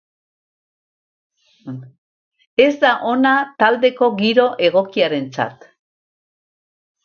Ez da ona taldeko giro egokiarentzat.